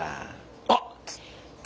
あっ！